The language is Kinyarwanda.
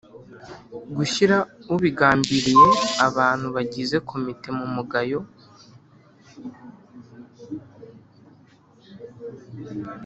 gushyira ubigambiriye abantu bagize komite mu mugayo